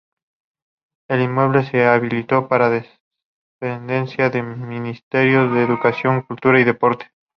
El inmueble se habilitó para dependencias del Ministerio de Educación, Cultura y Deporte.